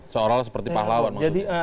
seolah olah seperti pahlawan maksudnya